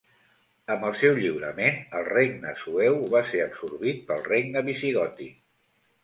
Amb el seu lliurament, el regne sueu va ser absorbit pel regne visigòtic.